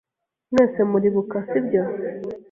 Mwese muribuka , sibyo?